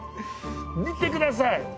見てください！